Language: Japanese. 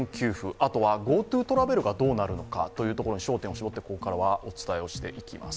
あとはＧｏＴｏトラベルがどうなるのかに焦点を絞ってお伝えしていきます。